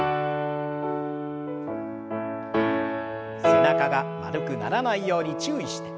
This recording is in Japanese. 背中が丸くならないように注意して。